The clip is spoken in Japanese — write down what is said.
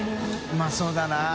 うまそうだな。